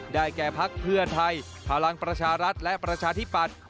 แก่พักเพื่อไทยพลังประชารัฐและประชาธิปัตย์